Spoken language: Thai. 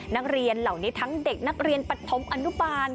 นักเรียนเหล่านี้ทั้งเด็กนักเรียนปฐมอนุบาล